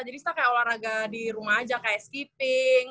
jadi sita kayak olahraga di rumah aja kayak skipping